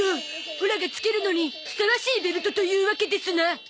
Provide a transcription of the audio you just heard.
オラが着けるのにふさわしいベルトというわけですな。